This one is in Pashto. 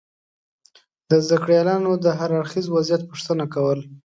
د زده کړیالانو دهر اړخیز وضعیت پوښتنه کول